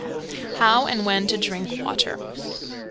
How and When to Drink Water.